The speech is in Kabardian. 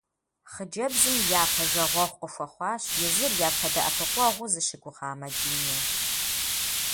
Хъыджэбзым япэ жагъуэгъу къыхуэхъуащ езыр япэ дэӏэпыкъуэгъуу зыщыгугъа Мадинэ.